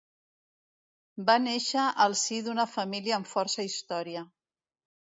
Va néixer al si d'una família amb força història.